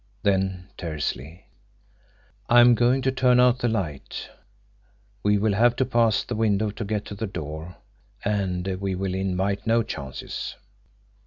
Then tersely: "I am going to turn out the light we will have to pass the window to get to the door, and we will invite no chances.